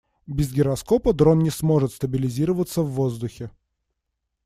Без гироскопа дрон не сможет стабилизироваться в воздухе.